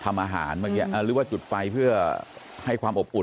ทำอาหารเมื่อกี้หรือว่าจุดไฟเพื่อให้ความอบอุ่น